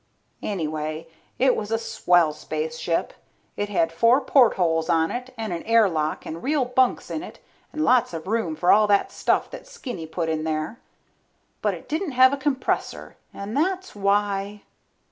Anyway, it made a swell spaceship. It had four portholes on it and an air lock and real bunks in it and lots of room for all that stuff that Skinny put in there. But it didn't have a compressor and that's why